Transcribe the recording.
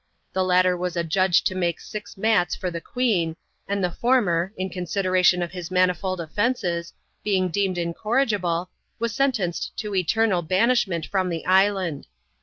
The latter was adjudged to make six mats for the queen ; and the former, in consideration of his manifold offences, being deemed incorrigible, was sentenced to eternal banishment from the island.